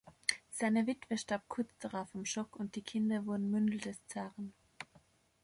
Seine Witwe starb kurz darauf am Schock, und die Kinder wurden Mündel des Zaren.